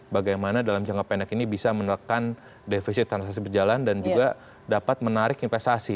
bagaimana dalam jangka pendek ini bisa menekan defisit transaksi berjalan dan juga dapat menarik investasi